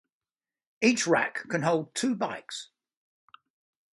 Each rack can hold two bikes.